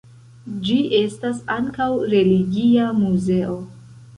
Ĝi estas ankaŭ religia muzeo.